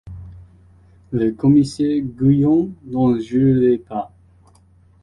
Le commissaire Guillaume n'en jurerait pas.